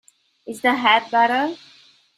Is the head better?